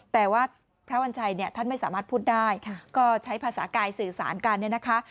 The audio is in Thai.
แต่ว่าพระวัญชัยเนี่ยท่านไม่สามารถพูดได้ก็ใช้ภาษากายสื่อสารกันเนี่ยนะคะ